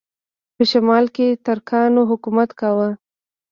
په شمال کې ترکانو حکومت کاوه.